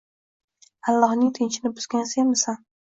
Allohning tinchini buzgan senmisan